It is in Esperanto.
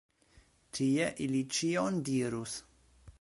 Tie ili ĉion dirus.